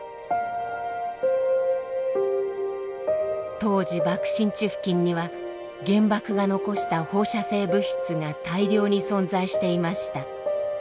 当時爆心地付近には原爆が残した放射性物質が大量に存在していました。